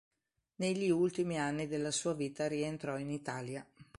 Negli ultimi anni della sua vita rientrò in Italia.